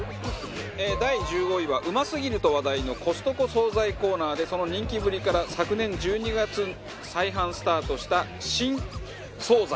第１５位はうますぎると話題のコストコ惣菜コーナーでその人気ぶりから昨年１２月再販スタートした新惣菜。